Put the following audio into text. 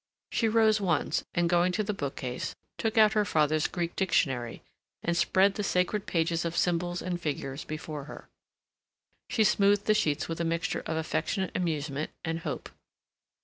She rose once, and going to the bookcase, took out her father's Greek dictionary and spread the sacred pages of symbols and figures before her. She smoothed the sheets with a mixture of affectionate amusement and hope.